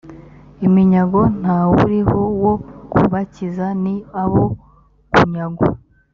iminyago nta wuriho wo kubakiza ni abo kunyagwa